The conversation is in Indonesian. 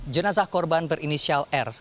jenazah korban berinisial r